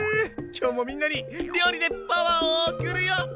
今日もみんなに料理でパワーを送るよ！